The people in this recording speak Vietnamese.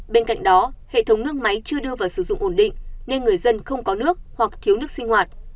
bên cạnh đó hệ thống nước máy chưa đưa vào sử dụng ổn định nên người dân không có nước hoặc thiếu nước sinh hoạt